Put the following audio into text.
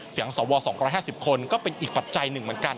เสียงสว๒๕๐คนก็เป็นอีกปัจจัยหนึ่งเหมือนกัน